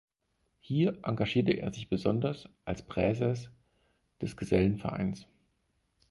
Hier engagierte er sich besonders als Präses des Gesellenvereins.